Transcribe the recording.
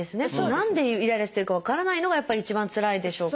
何でイライラしてるか分からないのがやっぱり一番つらいでしょうから。